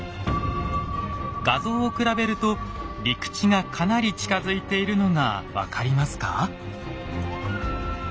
画像を比べると陸地がかなり近づいているのが分かりますか？